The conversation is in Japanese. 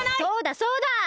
そうだそうだ！